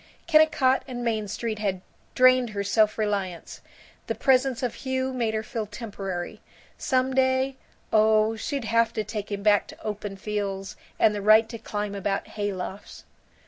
Kennicott and Main Street had drained her self reliance; the presence of Hugh made her feel temporary. Some day oh, she'd have to take him back to open fields and the right to climb about hay lofts.